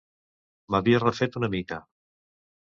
M'havia refet una mica.